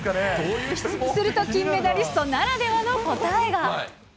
すると金メダリストならではの答えが。